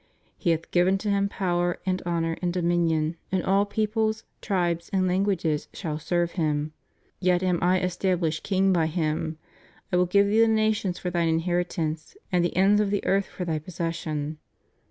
He hath given to Him power and honor and dominion, and all peoples, tribes, and languages shall serve Him.^ Yet am I established King by Him. ... I will give Thee the nations for Thine inheritance, and the ends of the earth for Thy possession.